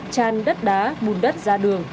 tràn đất đá bùn đất ra đường